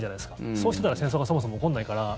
そうしてたら戦争がそもそも起こらないから。